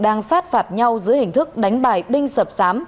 đang sát phạt nhau giữa hình thức đánh bài binh sập sám